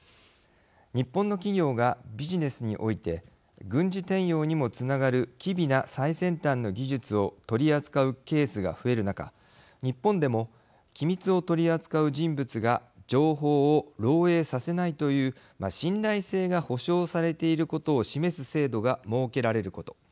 日本の企業がビジネスにおいて軍事転用にもつながる機微な最先端の技術を取り扱うケースが増える中日本でも機密を取り扱う人物が情報を漏えいさせないという信頼性が保証されていることを示す制度が設けられること。